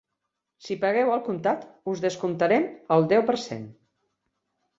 Si pagueu al comptat, us descomptarem el deu per cent.